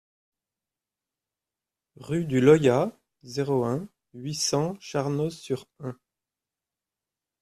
Rue du Loyat, zéro un, huit cents Charnoz-sur-Ain